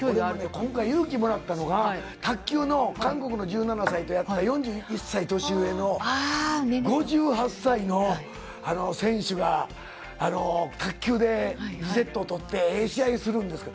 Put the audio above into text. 今回、勇気もらったのが、卓球の韓国の１７歳とやった４１歳年上の５８歳の選手が、卓球で、２セットを取って、ええ試合するんですよ。